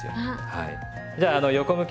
はい。